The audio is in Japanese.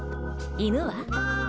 犬は？